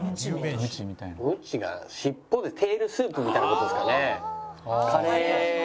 鞭が尻尾でテールスープみたいな事ですかね？